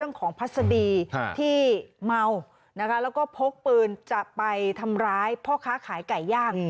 ของพัศดีที่เมานะคะแล้วก็พกปืนจะไปทำร้ายพ่อค้าขายไก่ย่าง